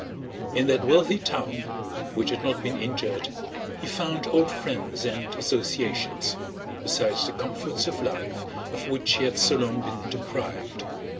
In that wealthy town, which had not been injured, he found old friends and associations, besides the comforts of life of which he had so long been deprived.